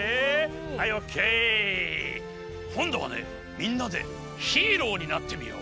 こんどはねみんなでヒーローになってみよう。